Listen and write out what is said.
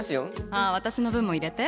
ああ私の分も入れて。